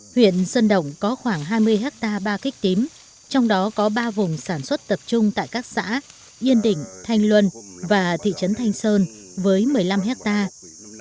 huyện sơn động có khoảng hai mươi hectare ba kích tím trong đó có ba vùng sản xuất tập trung tại các xã yên định thanh luân và thị trấn thanh sơn với một mươi năm hectare